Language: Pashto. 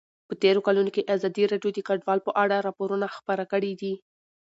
په تېرو کلونو کې ازادي راډیو د کډوال په اړه راپورونه خپاره کړي دي.